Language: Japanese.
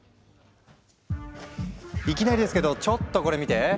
いきなりですけどちょっとこれ見て。